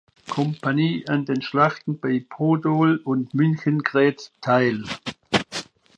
Kompanie an den Schlachten bei Podol und Münchengrätz teil.